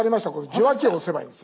受話器を押せばいいんです。